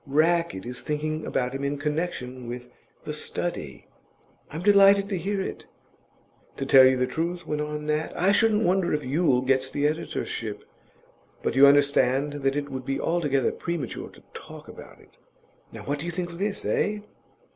Rackett is thinking about him in connection with The Study." "I'm delighted to hear it." "To tell you the truth," went on Nat, "I shouldn't wonder if Yule gets the editorship; but you understand that it would be altogether premature to talk about it." Now what do you think of this, eh?